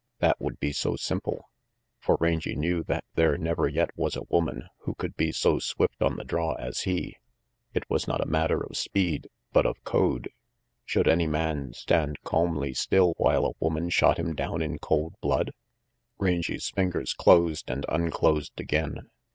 That would be so simple. For Rangy RANGY PETE 287 knew there never yet was a woman who could be so swift on the draw as he. It was not a matter of speed, but of code. Should any man stand calmly still while a woman shot him down in cold blood? Rangy 's fingers closed and unclosed again.